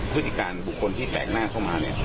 วิธีการบุคคลที่แตกหน้าเข้ามา